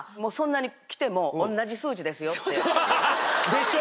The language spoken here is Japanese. でしょ？